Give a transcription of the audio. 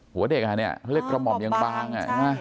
หัวเด็กอันเนี่ยเล็กกระหม่อมยังบาง